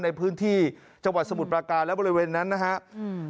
ในพื้นที่จังหวัดสมุทรปราการและบริเวณนั้นนะฮะอืม